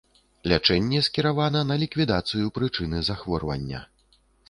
Лячэнне скіравана на ліквідацыю прычыны захворвання.